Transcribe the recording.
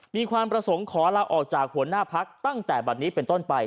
มีความประสงค์ขอลาออกจากหัวหน้าพักตั้งแต่บัตรนี้เป็นต้นไป